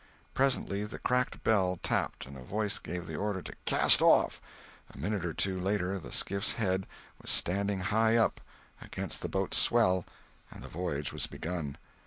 Presently the cracked bell tapped and a voice gave the order to "cast off." A minute or two later the skiff's head was standing high up, against the boat's swell, and the voyage was begun.